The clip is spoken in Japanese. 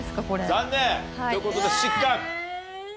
残念。という事で失格！